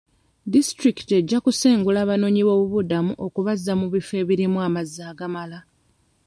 Disitulikiti ejja kusengula abanoonyi b'obubuddamu okubazza mu bifo ebirimu amazzi agamala.